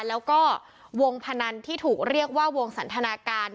แล้วก็วงพนันที่ถูกเรียกว่าวงสันทนาการ